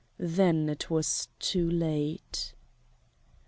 Then it was too late."